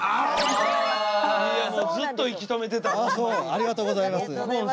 ありがとうございます。